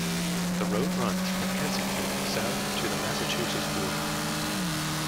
The road runs from Kensington south to the Massachusetts border.